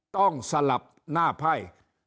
ต้องสลับหน้าไพ่